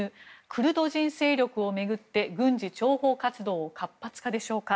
クルド人勢力を巡って軍事諜報活動を活発化でしょうか。